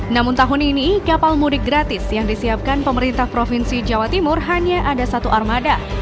namun tahun ini kapal mudik gratis yang disiapkan pemerintah provinsi jawa timur hanya ada satu armada